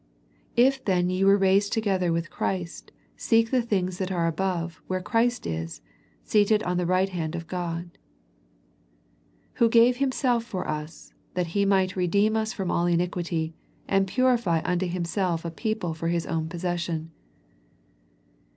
"If then ye were raised together with Christ, seek the things that are above, where Christ is, seated on the right hand of God." " Who gave Himself for us, that He might redeem us from all iniquity, and purify unto Himself a people for His own possession."